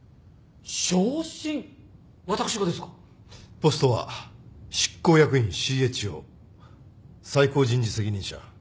ポストは執行役員ＣＨＯ最高人事責任者。